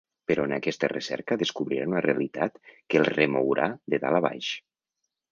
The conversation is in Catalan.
Però en aquesta recerca descobrirà una realitat que el remourà de dalt a baix.